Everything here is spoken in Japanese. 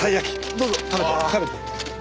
どうぞ食べて食べて。